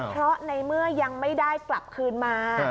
เพราะในเมื่อยังไม่ได้กลับคืนมา